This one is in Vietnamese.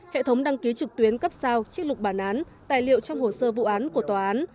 hệ thống đăng ký trực tuyến cấp sao trích lục bản án tài liệu trong hồ sơ vụ án của tòa án